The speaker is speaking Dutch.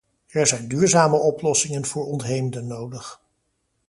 Er zijn duurzame oplossingen voor ontheemden nodig.